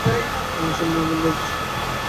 আমার সামনে আবার লজ্জা!